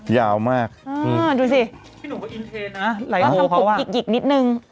ยาวมากอืมดูสิพี่หนุ่มก็อินเทรน่ะไลโอเขาว่าอีกอีกนิดนึง